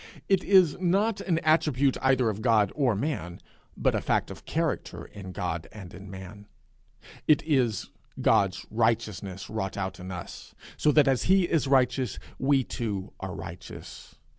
It is not an attribute either of God or man, but a fact of character in God and in man. It is God's righteousness wrought out in us, so that as he is righteous we too are righteous.